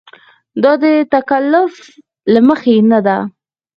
دا د تکلف له مخې نه ده.